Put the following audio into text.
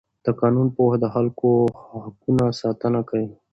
د قانون پوهه د خلکو د حقونو ساتنه کوي.